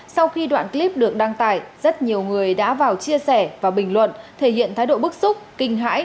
sau khi đoạn clip được đăng tải rất nhiều người đã vào chia sẻ và bình luận thể hiện thái độ bức xúc kinh hãi